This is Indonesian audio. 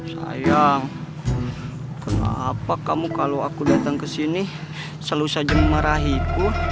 saya kenapa kamu kalau aku datang ke sini selalu saja memarahiku